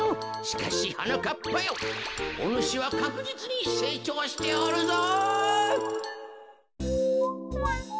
しかしはなかっぱよおぬしはかくじつにせいちょうしておるぞ。